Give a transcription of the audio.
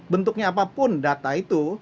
bentuknya apapun data itu